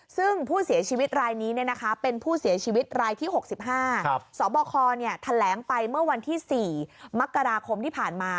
ซึ่งผู้เสียชีวิตรายนี้เป็นผู้เสียชีวิตรายที่๖๕สบคแถลงไปเมื่อวันที่๔มกราคมที่ผ่านมา